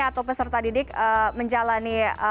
atau peserta didik menjalani